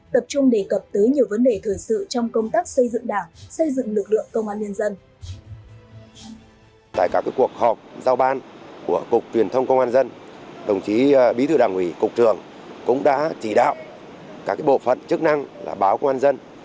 tập trung đề cập tới nhiều vấn đề thời sự trong công tác xây dựng đảng xây dựng lực lượng công an nhân dân